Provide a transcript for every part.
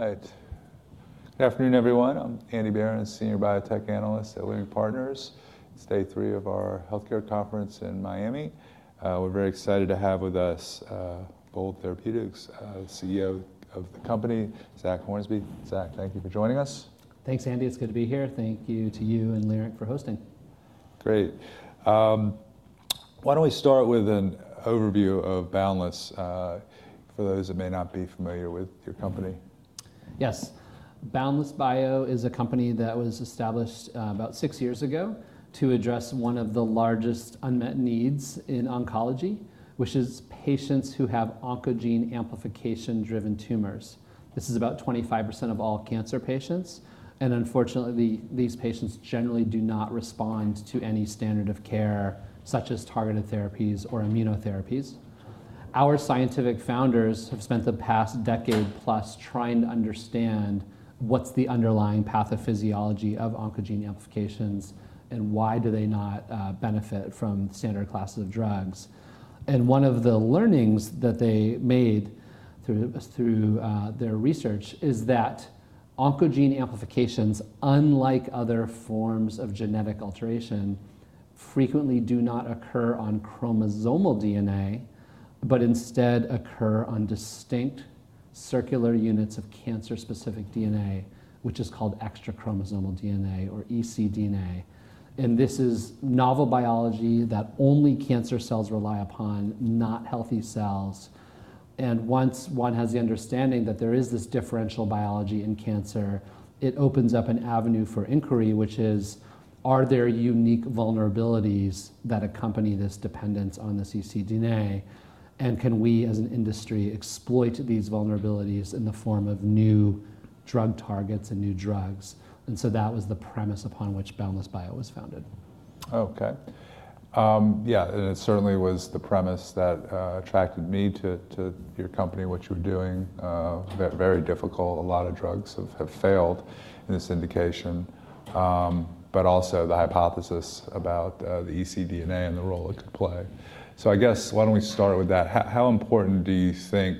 All right. Good afternoon, everyone. I'm Andy Berens, Senior Biotech Analyst at Leerink Partners, day three of our healthcare conference in Miami. We're very excited to have with us Boundless Bio's CEO of the company, Zach Hornby. Zach, thank you for joining us. Thanks, Andy. It's good to be here. Thank you to you and Leerink for hosting. Great. Why don't we start with an overview of Boundless, for those that may not be familiar with your company? Yes. Boundless Bio is a company that was established about six years ago to address one of the largest unmet needs in oncology, which is patients who have oncogene amplification-driven tumors. This is about 25% of all cancer patients. Unfortunately, these patients generally do not respond to any standard of care, such as targeted therapies or immunotherapies. Our scientific founders have spent the past decade-plus trying to understand what's the underlying pathophysiology of oncogene amplifications and why do they not benefit from standard classes of drugs. One of the learnings that they made through their research is that oncogene amplifications, unlike other forms of genetic alteration, frequently do not occur on chromosomal DNA, but instead occur on distinct circular units of cancer-specific DNA, which is called extrachromosomal DNA or ecDNA. This is novel biology that only cancer cells rely upon, not healthy cells. Once one has the understanding that there is this differential biology in cancer, it opens up an avenue for inquiry, which is, are there unique vulnerabilities that accompany this dependence on this ecDNA? Can we, as an industry, exploit these vulnerabilities in the form of new drug targets and new drugs? That was the premise upon which Boundless Bio was founded. OK. Yeah, and it certainly was the premise that attracted me to your company, what you were doing. Very difficult. A lot of drugs have failed in this indication. Also the hypothesis about the ecDNA and the role it could play. I guess, why don't we start with that? How important do you think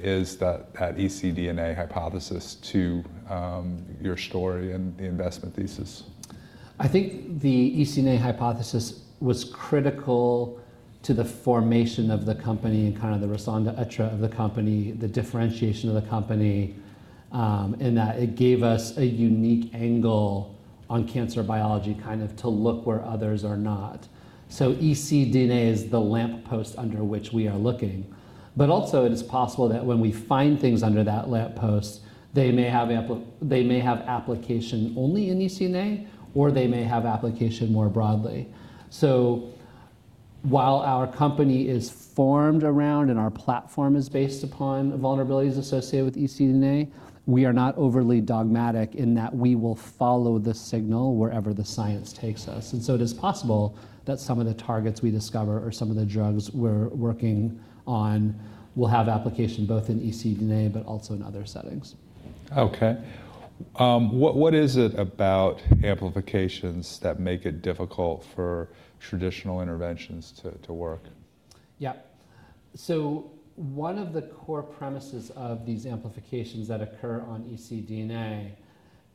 is that ecDNA hypothesis to your story and the investment thesis? I think the ecDNA hypothesis was critical to the formation of the company and kind of the raison d'être of the company, the differentiation of the company, in that it gave us a unique angle on cancer biology kind of to look where others are not. ecDNA is the lamppost under which we are looking. Also, it is possible that when we find things under that lamppost, they may have application only in ecDNA, or they may have application more broadly. While our company is formed around and our platform is based upon vulnerabilities associated with ecDNA, we are not overly dogmatic in that we will follow the signal wherever the science takes us. It is possible that some of the targets we discover or some of the drugs we're working on will have application both in ecDNA but also in other settings. OK. What is it about amplifications that make it difficult for traditional interventions to work? Yeah. One of the core premises of these amplifications that occur on ecDNA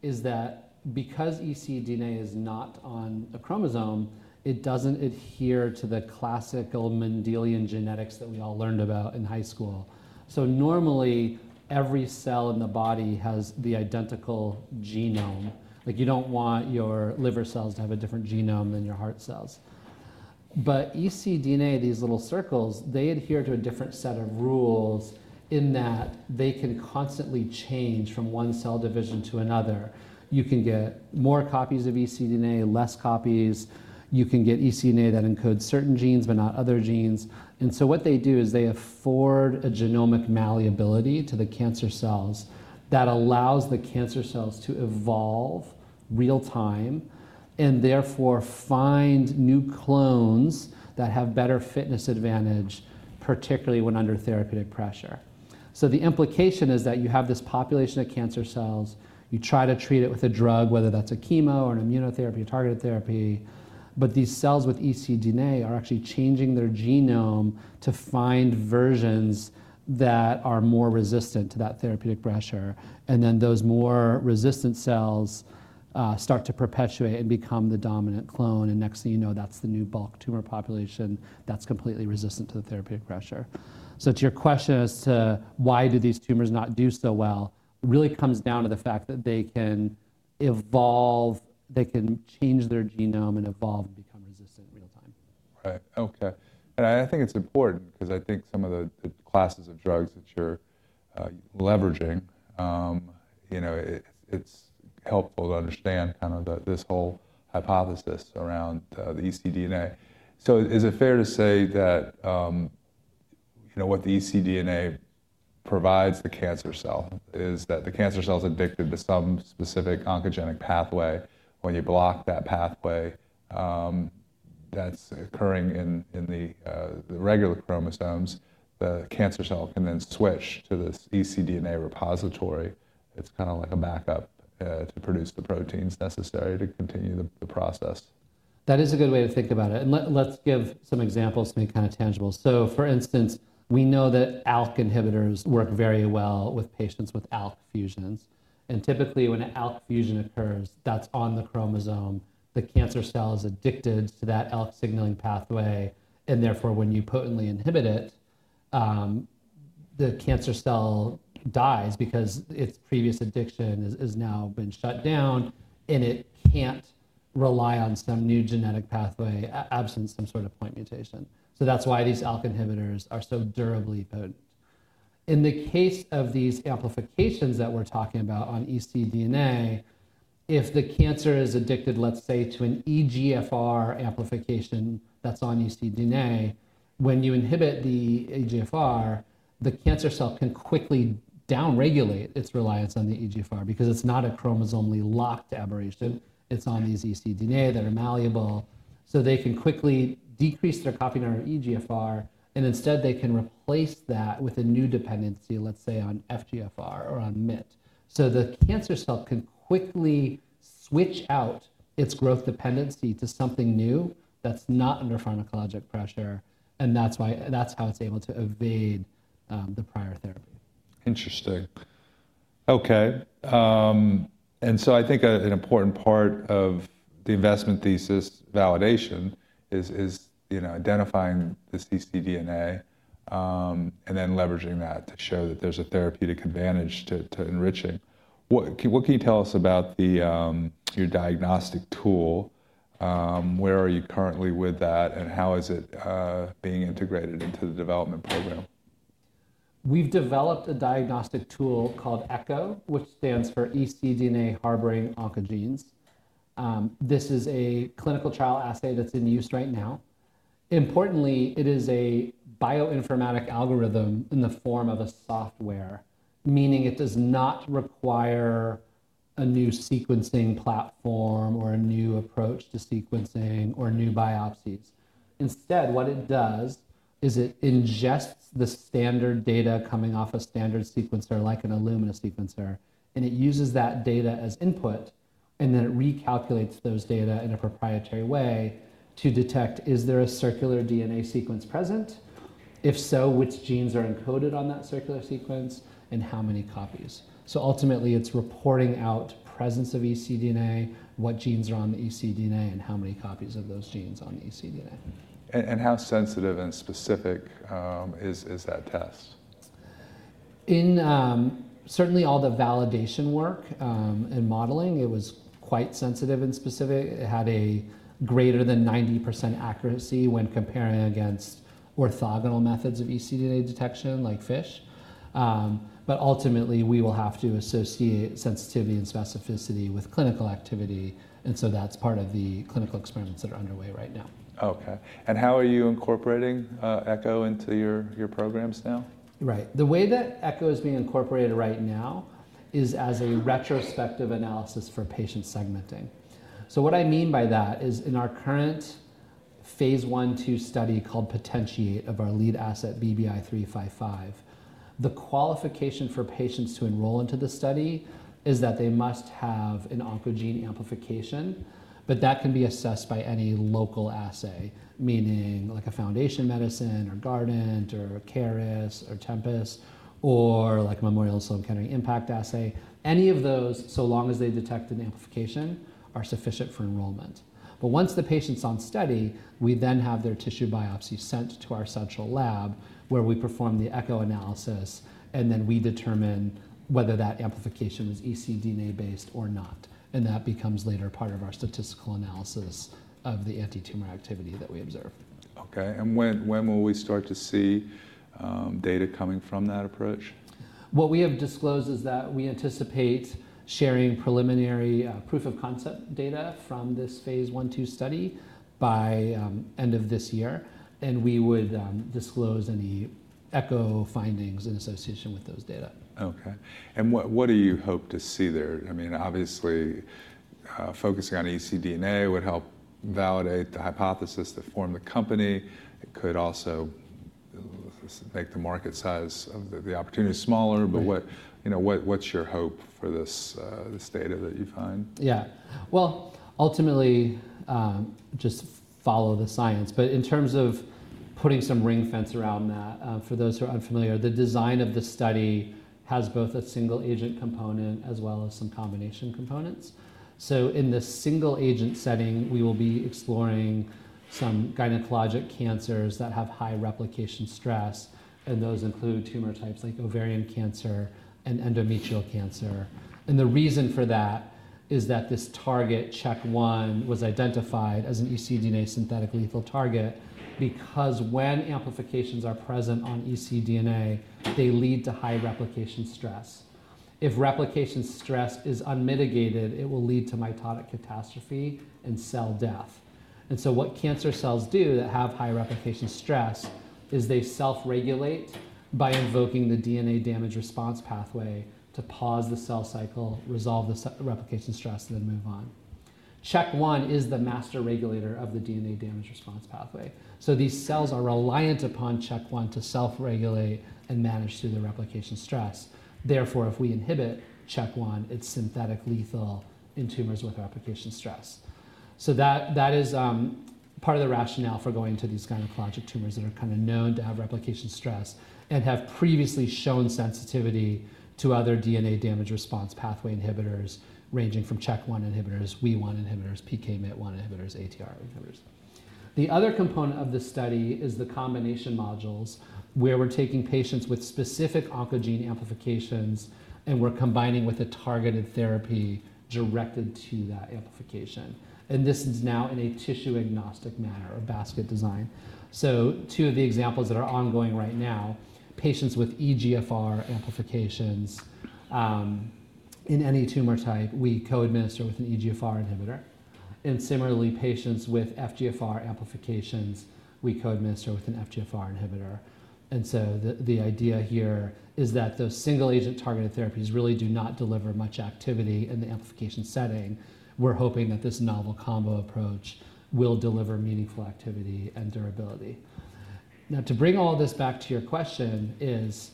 is that because ecDNA is not on a chromosome, it does not adhere to the classical Mendelian genetics that we all learned about in high school. Normally, every cell in the body has the identical genome. You do not want your liver cells to have a different genome than your heart cells. EcDNA, these little circles, adhere to a different set of rules in that they can constantly change from one cell division to another. You can get more copies of ecDNA, less copies. You can get ecDNA that encodes certain genes but not other genes. What they do is they afford a genomic malleability to the cancer cells that allows the cancer cells to evolve real time and therefore find new clones that have better fitness advantage, particularly when under therapeutic pressure. The implication is that you have this population of cancer cells. You try to treat it with a drug, whether that's a chemo or an immunotherapy or targeted therapy. These cells with ecDNA are actually changing their genome to find versions that are more resistant to that therapeutic pressure. Those more resistant cells start to perpetuate and become the dominant clone. Next thing you know, that's the new bulk tumor population that's completely resistant to the therapeutic pressure. To your question as to why do these tumors not do so well, it really comes down to the fact that they can evolve. They can change their genome and evolve and become resistant in real time. Right. OK. I think it's important because I think some of the classes of drugs that you're leveraging, it's helpful to understand kind of this whole hypothesis around the ecDNA. Is it fair to say that what the ecDNA provides the cancer cell is that the cancer cell's addicted to some specific oncogenic pathway? When you block that pathway, that's occurring in the regular chromosomes, the cancer cell can then switch to this ecDNA repository. It's kind of like a backup to produce the proteins necessary to continue the process. That is a good way to think about it. Let's give some examples to make it kind of tangible. For instance, we know that ALK inhibitors work very well with patients with ALK fusions. Typically, when an ALK fusion occurs, that's on the chromosome. The cancer cell is addicted to that ALK signaling pathway. Therefore, when you potently inhibit it, the cancer cell dies because its previous addiction has now been shut down, and it can't rely on some new genetic pathway absent some sort of point mutation. That's why these ALK inhibitors are so durably potent. In the case of these amplifications that we're talking about on ecDNA, if the cancer is addicted, let's say, to an EGFR amplification that's on ecDNA, when you inhibit the EGFR, the cancer cell can quickly downregulate its reliance on the EGFR because it's not a chromosomally locked aberration. It's on these ecDNA that are malleable. They can quickly decrease their copy number of EGFR, and instead, they can replace that with a new dependency, let's say, on FGFR or on MET. The cancer cell can quickly switch out its growth dependency to something new that's not under pharmacologic pressure. That's how it's able to evade the prior therapy. Interesting. OK. I think an important part of the investment thesis validation is identifying this ecDNA and then leveraging that to show that there's a therapeutic advantage to enriching. What can you tell us about your diagnostic tool? Where are you currently with that? How is it being integrated into the development program? We've developed a diagnostic tool called ECHO, which stands for ecDNA Harboring Oncogenes. This is a clinical trial assay that's in use right now. Importantly, it is a bioinformatic algorithm in the form of a software, meaning it does not require a new sequencing platform or a new approach to sequencing or new biopsies. Instead, what it does is it ingests the standard data coming off a standard sequencer, like an Illumina sequencer. It uses that data as input, and then it recalculates those data in a proprietary way to detect, is there a circular DNA sequence present? If so, which genes are encoded on that circular sequence, and how many copies? Ultimately, it's reporting out presence of ecDNA, what genes are on the ecDNA, and how many copies of those genes on the ecDNA. How sensitive and specific is that test? In certainly all the validation work and modeling, it was quite sensitive and specific. It had a greater than 90% accuracy when comparing against orthogonal methods of ecDNA detection, like FISH. Ultimately, we will have to associate sensitivity and specificity with clinical activity. That is part of the clinical experiments that are underway right now. OK. How are you incorporating ECHO into your programs now? Right. The way that ECHO is being incorporated right now is as a retrospective analysis for patient segmenting. So what I mean by that is in our current phase 1/2 study called Potentiate of our lead asset, BBI-355, the qualification for patients to enroll into the study is that they must have an oncogene amplification. That can be assessed by any local assay, meaning like a Foundation Medicine or Guardant or Caris or Tempus or like Memorial Sloan Kettering Impact Assay. Any of those, so long as they detect an amplification, are sufficient for enrollment. Once the patient's on study, we then have their tissue biopsy sent to our central lab, where we perform the ECHO analysis, and then we determine whether that amplification is ecDNA-based or not. That becomes later part of our statistical analysis of the anti-tumor activity that we observe. OK. When will we start to see data coming from that approach? What we have disclosed is that we anticipate sharing preliminary proof of concept data from this phase 1/2 study by end of this year. We would disclose any ECHO findings in association with those data. OK. What do you hope to see there? I mean, obviously, focusing on ecDNA would help validate the hypothesis that formed the company. It could also make the market size of the opportunity smaller. What's your hope for this data that you find? Yeah. Ultimately, just follow the science. In terms of putting some ring fence around that, for those who are unfamiliar, the design of the study has both a single agent component as well as some combination components. In the single agent setting, we will be exploring some gynecologic cancers that have high replication stress. Those include tumor types like ovarian cancer and endometrial cancer. The reason for that is that this target, CHK1, was identified as an ecDNA synthetic lethal target because when amplifications are present on ecDNA, they lead to high replication stress. If replication stress is unmitigated, it will lead to mitotic catastrophe and cell death. What cancer cells do that have high replication stress is they self-regulate by invoking the DNA damage response pathway to pause the cell cycle, resolve the replication stress, and then move on. CHK1 is the master regulator of the DNA damage response pathway. These cells are reliant upon CHK1 to self-regulate and manage through the replication stress. Therefore, if we inhibit CHK1, it's synthetic lethal in tumors with replication stress. That is part of the rationale for going to these gynecologic tumors that are kind of known to have replication stress and have previously shown sensitivity to other DNA damage response pathway inhibitors ranging from CHK1 inhibitors, WEE1 inhibitors, PKMYT1 inhibitors, ATR inhibitors. The other component of the study is the combination modules, where we're taking patients with specific oncogene amplifications, and we're combining with a targeted therapy directed to that amplification. This is now in a tissue-agnostic manner of basket design. Two of the examples that are ongoing right now, patients with EGFR amplifications in any tumor type, we co-administer with an EGFR inhibitor. Similarly, patients with FGFR amplifications, we co-administer with an FGFR inhibitor. The idea here is that those single agent targeted therapies really do not deliver much activity in the amplification setting. We're hoping that this novel combo approach will deliver meaningful activity and durability. Now, to bring all this back to your question is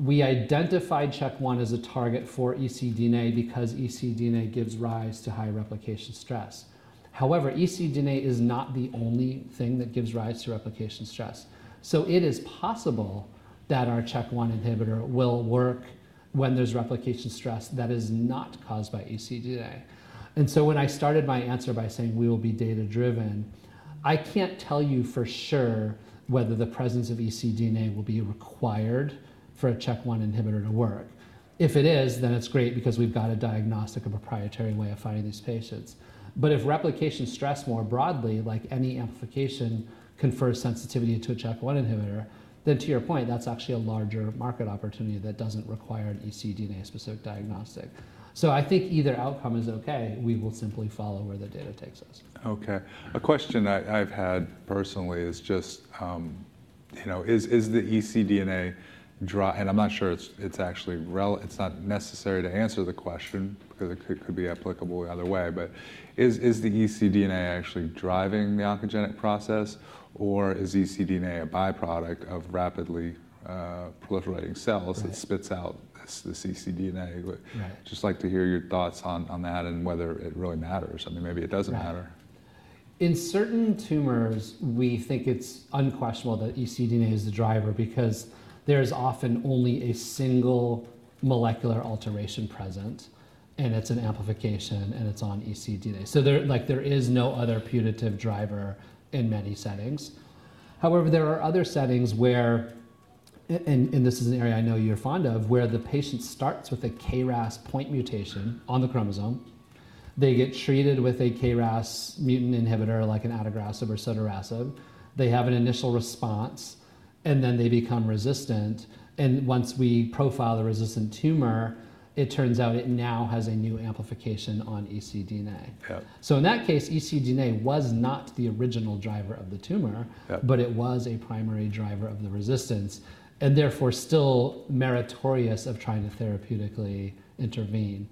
we identified CHK1 as a target for ecDNA because ecDNA gives rise to high replication stress. However, ecDNA is not the only thing that gives rise to replication stress. It is possible that our CHK1 inhibitor will work when there's replication stress that is not caused by ecDNA. When I started my answer by saying we will be data driven, I can't tell you for sure whether the presence of ecDNA will be required for a CHK1 inhibitor to work. If it is, then it's great because we've got a diagnostic and proprietary way of finding these patients. If replication stress more broadly, like any amplification, confers sensitivity to a CHK1 inhibitor, then to your point, that's actually a larger market opportunity that doesn't require an ecDNA specific diagnostic. I think either outcome is OK. We will simply follow where the data takes us. OK. A question I've had personally is just, is the ecDNA and I'm not sure it's actually it's not necessary to answer the question because it could be applicable the other way. Is the ecDNA actually driving the oncogenic process? Or is ecDNA a byproduct of rapidly proliferating cells that spits out this ecDNA? I'd just like to hear your thoughts on that and whether it really matters. I mean, maybe it doesn't matter. In certain tumors, we think it's unquestionable that ecDNA is the driver because there is often only a single molecular alteration present, and it's an amplification, and it's on ecDNA. There is no other putative driver in many settings. However, there are other settings where, and this is an area I know you're fond of, where the patient starts with a KRAS point mutation on the chromosome. They get treated with a KRAS mutant inhibitor, like an adagrasib or sotorasib. They have an initial response, and then they become resistant. Once we profile the resistant tumor, it turns out it now has a new amplification on ecDNA. In that case, ecDNA was not the original driver of the tumor, but it was a primary driver of the resistance and therefore still meritorious of trying to therapeutically intervene.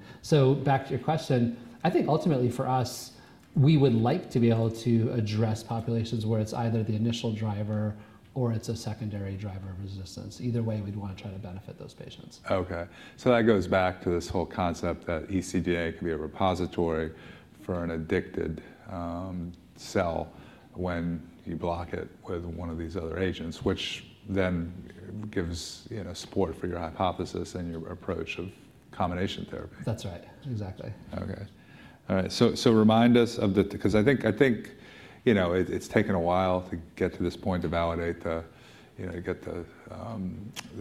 Back to your question, I think ultimately for us, we would like to be able to address populations where it's either the initial driver or it's a secondary driver of resistance. Either way, we'd want to try to benefit those patients. OK. That goes back to this whole concept that ecDNA can be a repository for an addicted cell when you block it with one of these other agents, which then gives support for your hypothesis and your approach of combination therapy. That's right. Exactly. OK. All right. Remind us of the, because I think it's taken a while to get to this point to validate the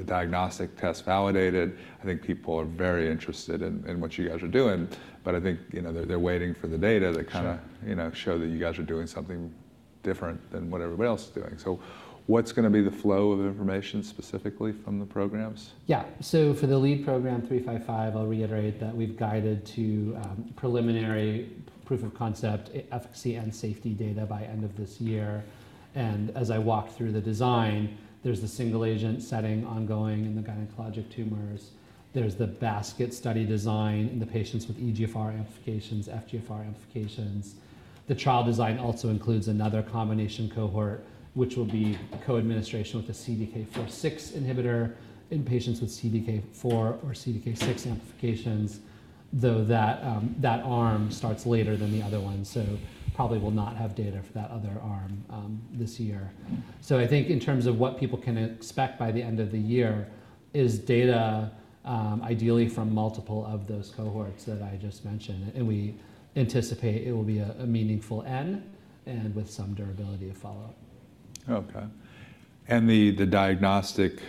diagnostic test validated. I think people are very interested in what you guys are doing. I think they're waiting for the data that kind of show that you guys are doing something different than what everybody else is doing. What's going to be the flow of information specifically from the programs? Yeah. For the lead program 355, I'll reiterate that we've guided to preliminary proof of concept, efficacy, and safety data by end of this year. As I walk through the design, there's the single agent setting ongoing in the gynecologic tumors. There's the basket study design in the patients with EGFR amplifications, FGFR amplifications. The trial design also includes another combination cohort, which will be co-administration with a CDK4/6 inhibitor in patients with CDK4 or CDK6 amplifications, though that arm starts later than the other one. Probably will not have data for that other arm this year. I think in terms of what people can expect by the end of the year is data ideally from multiple of those cohorts that I just mentioned. We anticipate it will be a meaningful end and with some durability of follow-up. OK. The diagnostic,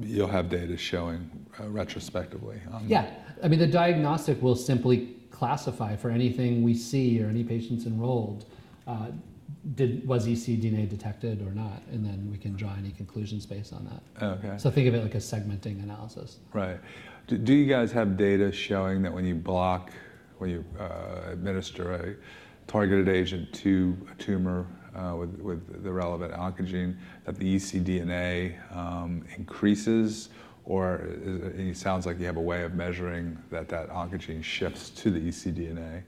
you'll have data showing retrospectively on. Yeah. I mean, the diagnostic will simply classify for anything we see or any patients enrolled, was ecDNA detected or not. Then we can draw any conclusions based on that. Think of it like a segmenting analysis. Right. Do you guys have data showing that when you block, when you administer a targeted agent to a tumor with the relevant oncogene, that the ecDNA increases? Or it sounds like you have a way of measuring that that oncogene shifts to the ecDNA.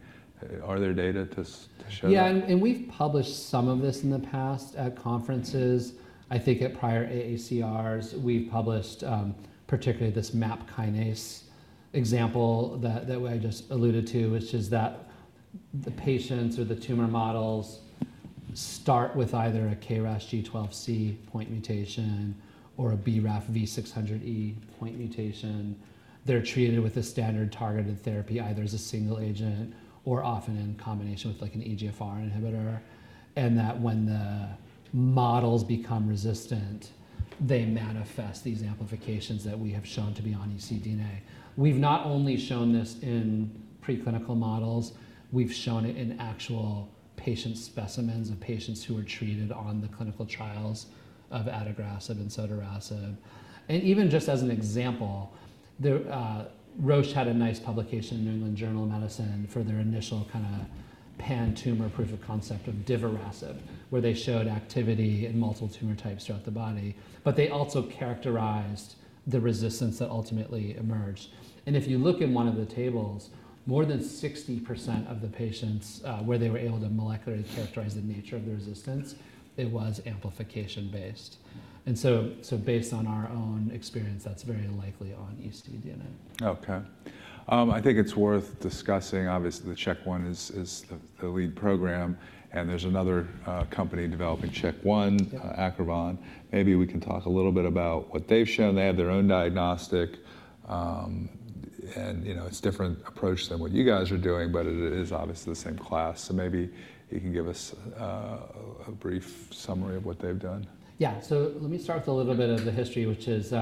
Are there data to show that? Yeah. We've published some of this in the past at conferences. I think at prior AACRs, we've published particularly this MAP kinase example that I just alluded to, which is that the patients or the tumor models start with either a KRAS G12C point mutation or a BRAF V600E point mutation. They're treated with a standard targeted therapy, either as a single agent or often in combination with like an EGFR inhibitor. When the models become resistant, they manifest these amplifications that we have shown to be on ecDNA. We've not only shown this in preclinical models. We've shown it in actual patient specimens of patients who are treated on the clinical trials of adagrasib and sotorasib. Even just as an example, Roche had a nice publication in the New England Journal of Medicine for their initial kind of pan-tumor proof of concept of divarasib, where they showed activity in multiple tumor types throughout the body. They also characterized the resistance that ultimately emerged. If you look in one of the tables, more than 60% of the patients where they were able to molecularly characterize the nature of the resistance, it was amplification based. Based on our own experience, that's very likely on ecDNA. OK. I think it's worth discussing, obviously, the CHK1 is the lead program. And there's another company developing CHK1, Acrivon. Maybe we can talk a little bit about what they've shown. They have their own diagnostic. And it's a different approach than what you guys are doing, but it is obviously the same class. So maybe you can give us a brief summary of what they've done. Yeah. Let me start with a little bit of the history, which is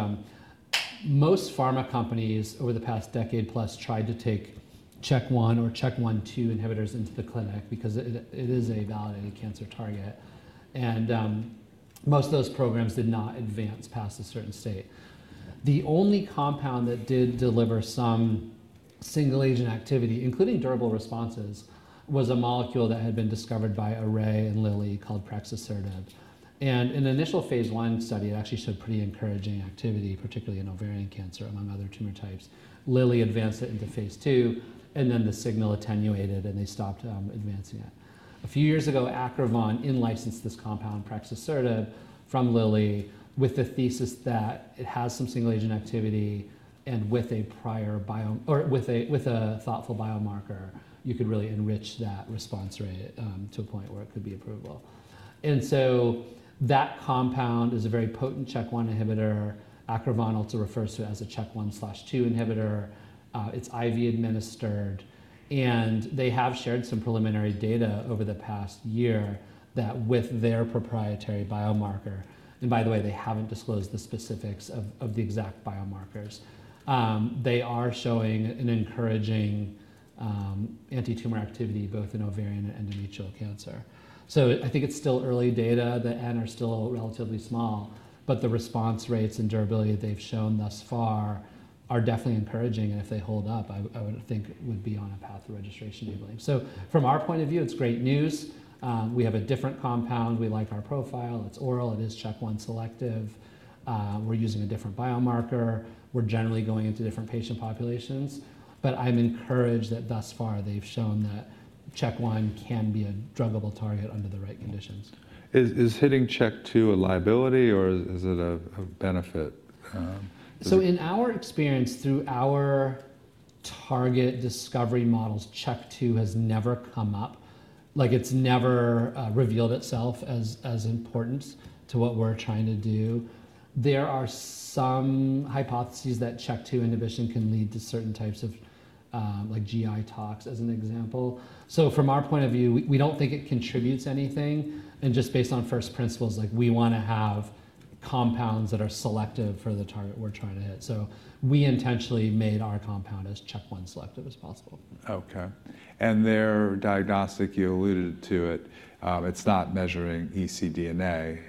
most pharma companies over the past decade plus tried to take CHK1 or CHK1/2 inhibitors into the clinic because it is a validated cancer target. Most of those programs did not advance past a certain state. The only compound that did deliver some single agent activity, including durable responses, was a molecule that had been discovered by Array and Lilly called prexasertib. In the initial phase one study, it actually showed pretty encouraging activity, particularly in ovarian cancer among other tumor types. Lilly advanced it into phase two, and then the signal attenuated, and they stopped advancing it. A few years ago, Acrivon in-licensed this compound prexasertib from Lilly with the thesis that it has some single agent activity and with a prior or with a thoughtful biomarker, you could really enrich that response rate to a point where it could be approval. That compound is a very potent CHK1 inhibitor. Acrivon also refers to it as a CHK1/2 inhibitor. It's IV administered. They have shared some preliminary data over the past year that with their proprietary biomarker, and by the way, they haven't disclosed the specifics of the exact biomarkers, they are showing an encouraging anti-tumor activity both in ovarian and endometrial cancer. I think it's still early data. The N are still relatively small. The response rates and durability they've shown thus far are definitely encouraging. If they hold up, I would think it would be on a path to registration doubling. From our point of view, it's great news. We have a different compound. We like our profile. It's oral. It is CHK1 selective. We're using a different biomarker. We're generally going into different patient populations. I'm encouraged that thus far they've shown that CHK1 can be a druggable target under the right conditions. Is hitting CHK2 a liability, or is it a benefit? In our experience, through our target discovery models, CHK2 has never come up. Like, it's never revealed itself as important to what we're trying to do. There are some hypotheses that CHK2 inhibition can lead to certain types of GI tox, as an example. From our point of view, we don't think it contributes anything. Just based on first principles, like, we want to have compounds that are selective for the target we're trying to hit. We intentionally made our compound as CHK1 selective as possible. OK. Their diagnostic, you alluded to it, it's not measuring ecDNA.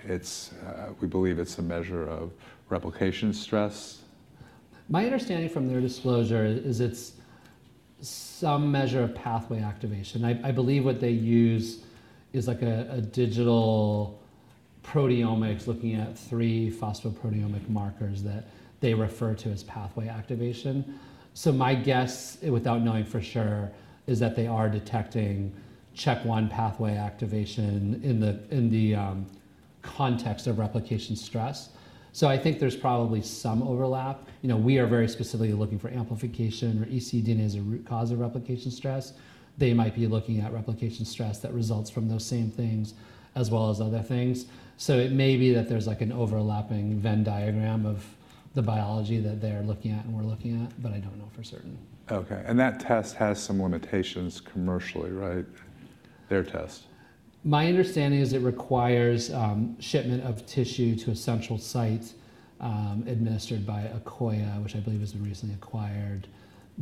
We believe it's a measure of replication stress. My understanding from their disclosure is it's some measure of pathway activation. I believe what they use is like a digital proteomics looking at three phosphoproteomic markers that they refer to as pathway activation. My guess, without knowing for sure, is that they are detecting CHK1 pathway activation in the context of replication stress. I think there's probably some overlap. We are very specifically looking for amplification, or ecDNA as a root cause of replication stress. They might be looking at replication stress that results from those same things as well as other things. It may be that there's like an overlapping Venn diagram of the biology that they're looking at and we're looking at, but I don't know for certain. OK. That test has some limitations commercially, right? Their test. My understanding is it requires shipment of tissue to a central site administered by Akoya, which I believe has been recently acquired.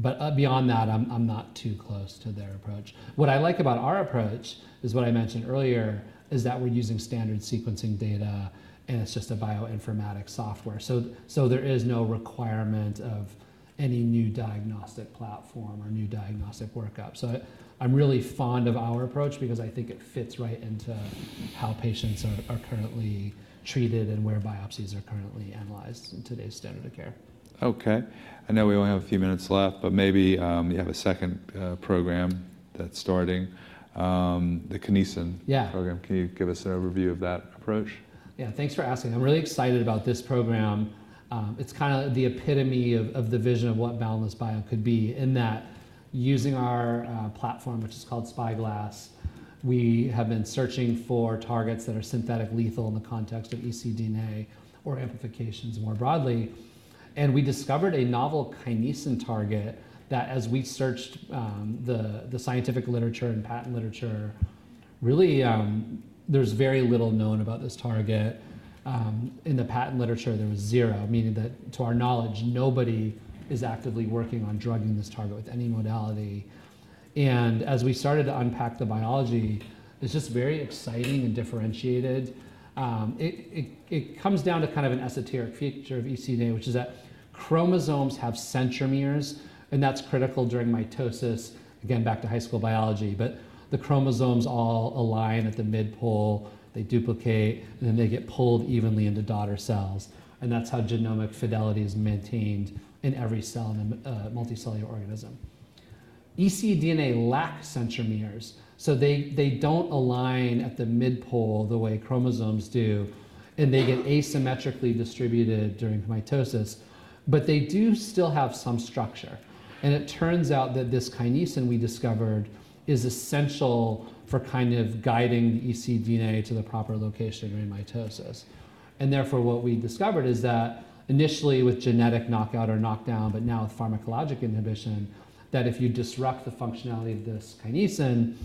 Beyond that, I'm not too close to their approach. What I like about our approach is what I mentioned earlier, is that we're using standard sequencing data, and it's just a bioinformatic software. There is no requirement of any new diagnostic platform or new diagnostic workup. I'm really fond of our approach because I think it fits right into how patients are currently treated and where biopsies are currently analyzed in today's standard of care. OK. I know we only have a few minutes left, but maybe you have a second program that's starting, the Kinesin program. Can you give us an overview of that approach? Yeah. Thanks for asking. I'm really excited about this program. It's kind of the epitome of the vision of what Boundless Bio could be in that using our platform, which is called Spyglass, we have been searching for targets that are synthetic lethal in the context of ecDNA or amplifications more broadly. We discovered a novel kinesin target that as we searched the scientific literature and patent literature, really there's very little known about this target. In the patent literature, there was zero, meaning that to our knowledge, nobody is actively working on drugging this target with any modality. As we started to unpack the biology, it's just very exciting and differentiated. It comes down to kind of an esoteric feature of ecDNA, which is that chromosomes have centromeres, and that's critical during mitosis. Again, back to high school biology. The chromosomes all align at the mid pole. They duplicate, and then they get pulled evenly into daughter cells. That's how genomic fidelity is maintained in every cell in a multicellular organism. EcDNA lacks centromeres, so they don't align at the mid pole the way chromosomes do, and they get asymmetrically distributed during mitosis. They do still have some structure. It turns out that this kinesin we discovered is essential for kind of guiding the ecDNA to the proper location during mitosis. Therefore, what we discovered is that initially with genetic knockout or knockdown, but now with pharmacologic inhibition, if you disrupt the functionality of this kinesin,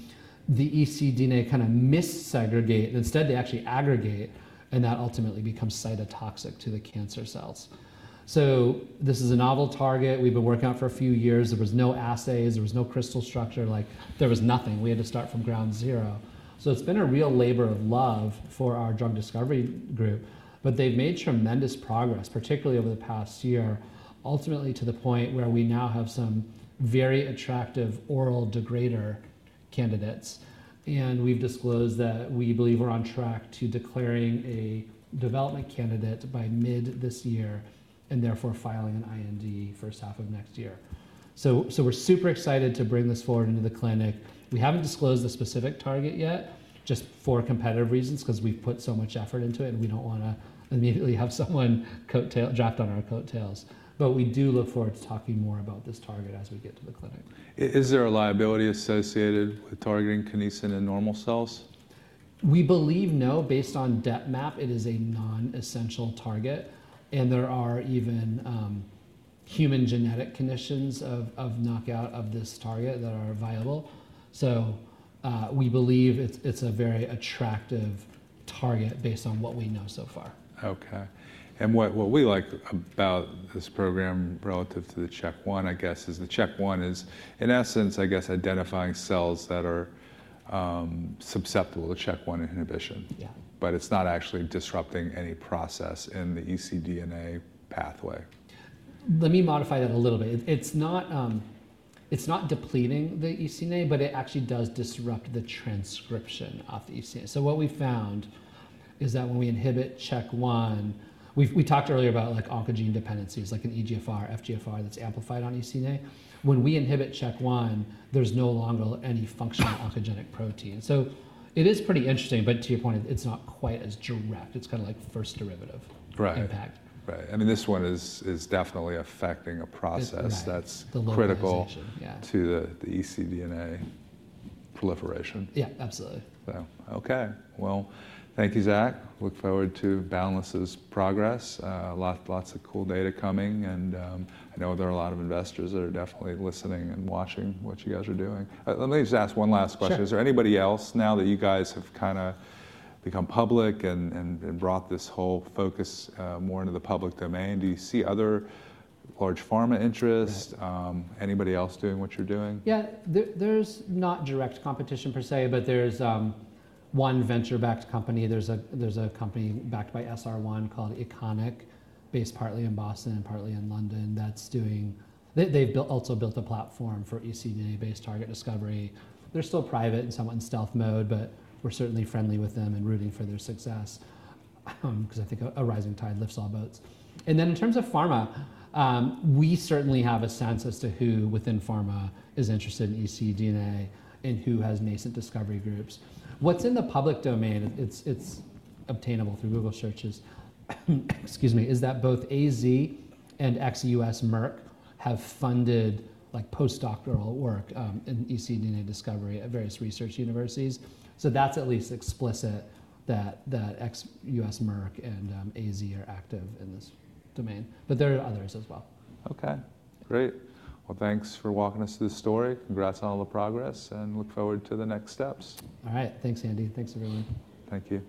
the ecDNA kind of mis-segregate. Instead, they actually aggregate, and that ultimately becomes cytotoxic to the cancer cells. This is a novel target. We've been working on it for a few years. There were no assays. There was no crystal structure. Like there was nothing. We had to start from ground zero. It has been a real labor of love for our drug discovery group. They have made tremendous progress, particularly over the past year, ultimately to the point where we now have some very attractive oral degrader candidates. We have disclosed that we believe we are on track to declaring a development candidate by mid this year and therefore filing an IND for half of next year. We are super excited to bring this forward into the clinic. We have not disclosed the specific target yet, just for competitive reasons, because we have put so much effort into it, and we do not want to immediately have someone dropped on our coattails. We do look forward to talking more about this target as we get to the clinic. Is there a liability associated with targeting Kinesin in normal cells? We believe no. Based on DepMap, it is a non-essential target. There are even human genetic conditions of knockout of this target that are viable. We believe it's a very attractive target based on what we know so far. OK. What we like about this program relative to the CHK1, I guess, is the CHK1 is, in essence, I guess, identifying cells that are susceptible to CHK1 inhibition. Yeah. It's not actually disrupting any process in the ecDNA pathway. Let me modify that a little bit. It's not depleting the ecDNA, but it actually does disrupt the transcription of the ecDNA. So what we found is that when we inhibit CHK1, we talked earlier about oncogene dependencies, like an EGFR, FGFR that's amplified on ecDNA. When we inhibit CHK1, there's no longer any functional oncogenic protein. It is pretty interesting. To your point, it's not quite as direct. It's kind of like first derivative impact. Right. Right. I mean, this one is definitely affecting a process that's critical to the ecDNA proliferation. Yeah, absolutely. OK. Thank you, Zach. Look forward to Boundless' progress. Lots of cool data coming. I know there are a lot of investors that are definitely listening and watching what you guys are doing. Let me just ask one last question. Is there anybody else now that you guys have kind of become public and brought this whole focus more into the public domain? Do you see other large pharma interest? Anybody else doing what you're doing? Yeah. There's not direct competition per se, but there's one venture-backed company. There's a company backed by SR One called Eik, based partly in Boston and partly in London, that's doing they've also built a platform for ecDNA-based target discovery. They're still private and somewhat in stealth mode, but we're certainly friendly with them and rooting for their success, because I think a rising tide lifts all boats. In terms of pharma, we certainly have a sense as to who within pharma is interested in ecDNA and who has nascent discovery groups. What's in the public domain, it's obtainable through Google searches, excuse me, is that both AstraZeneca and ex-US Merck have funded postdoctoral work in ecDNA discovery at various research universities. That's at least explicit that ex-US Merck and AstraZeneca are active in this domain. There are others as well. OK. Great. Thanks for walking us through the story. Congrats on all the progress, and look forward to the next steps. All right. Thanks, Andy. Thanks, everyone. Thank you.